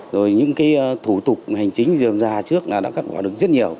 rồi những cái thủ tục hành chính dường dà trước là đã cắt bỏ được rất nhiều